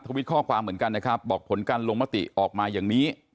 วิตข้อความเหมือนกันนะครับบอกผลการลงมติออกมาอย่างนี้